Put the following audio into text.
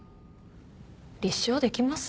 立証できます？